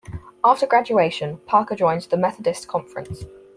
After graduation, Parker joined the Methodist Conference.